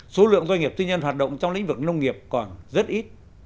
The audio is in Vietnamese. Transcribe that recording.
các doanh nghiệp tư nhân hoạt động trong lĩnh vực nông nghiệp còn rất ít